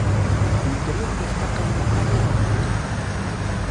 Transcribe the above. No interior destaca un retablo barroco.